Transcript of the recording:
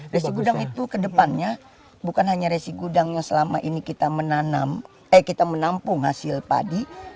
resi gudang itu kedepannya bukan hanya resi gudangnya selama ini kita menanam eh kita menampung hasil padi